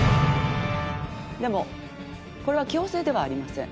でもこれは強制ではありません。